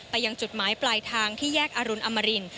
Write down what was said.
ยังจุดหมายปลายทางที่แยกอรุณอมริน